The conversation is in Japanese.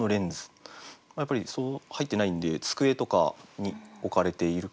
やっぱり入ってないんで机とかに置かれている。